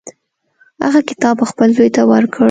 هغه کتاب خپل زوی ته ورکړ.